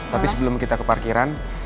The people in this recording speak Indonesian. tapi sebelum kita ke parkiran